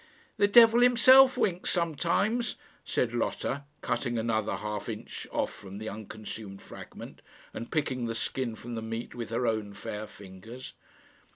"The devil himself winks sometimes," said Lotta, cutting another half inch off from the unconsumed fragment, and picking the skin from the meat with her own fair fingers.